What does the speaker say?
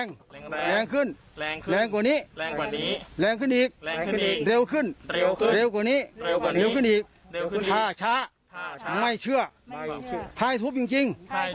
ไม่เชื่อไม่เชื่อถ้าให้ทุบจริงจริงถ้าให้ทุบจริงจริง